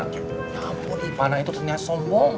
ya ampun ipana itu ternyata sombong